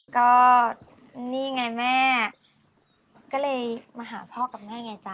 ก็นี่ไงแม่ก็เลยมาหาพ่อกับแม่ไงจ๊